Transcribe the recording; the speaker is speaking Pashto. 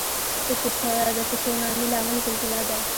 د تسونامي لامل زلزله ده.